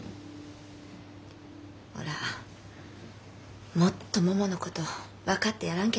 おらもっとももの事分かってやらんきゃ。